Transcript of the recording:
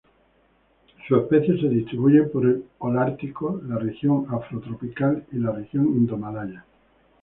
Sus especies se distribuyen por el holártico, la región afrotropical y la región indomalaya.